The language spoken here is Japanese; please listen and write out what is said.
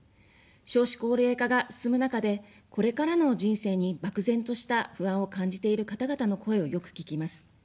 少子高齢化が進む中で、これからの人生に漠然とした不安を感じている方々の声をよく聞きます。